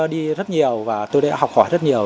tôi đi rất nhiều và tôi đã học hỏi rất nhiều